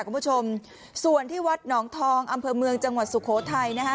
คุณผู้ชมส่วนที่วัดหนองทองอำเภอเมืองจังหวัดสุโขทัยนะฮะ